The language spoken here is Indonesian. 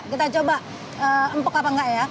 kita coba empuk apa enggak ya